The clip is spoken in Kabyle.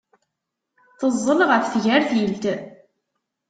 Teẓẓel ɣef tgertilt.